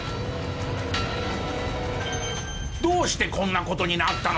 どうしてこんな事になったのか？